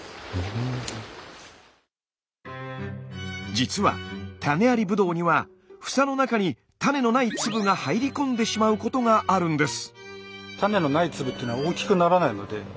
じつは種ありブドウには房の中に種のない粒が入り込んでしまうことがあるんです。